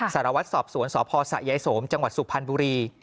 สารวัตรสอบสวนสพสะยายสมจังหวัดสุพรรณบุรี